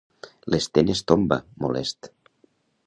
L'Sten es tomba, molest.